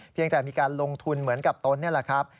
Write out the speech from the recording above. แต่มีการลงทุนเหมือนกับตนนี่แหละครับ